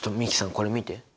これ見て！